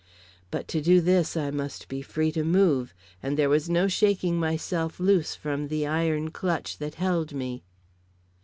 But to do this I must be free to move, and there was no shaking myself loose from the iron clutch that held me.